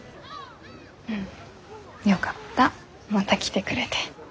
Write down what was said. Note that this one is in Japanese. よかったまた来てくれて。